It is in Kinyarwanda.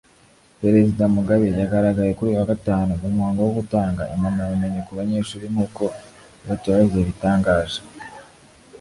Perezida Mugabe yagaragaye kuri uyu wa Gatanu mu muhango wo gutanga impamyabumenyi ku banyeshuri nk’uko Reuters yabitangaje